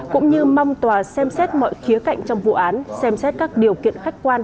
cũng như mong tòa xem xét mọi khía cạnh trong vụ án xem xét các điều kiện khách quan